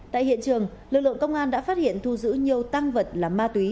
tại hiện trường lực lượng công an đã phát hiện thu giữ nhiều tăng vật là ma túy